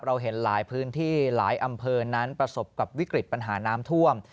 เห็นหลายพื้นที่หลายอำเภอนั้นประสบกับวิกฤตปัญหาน้ำท่วม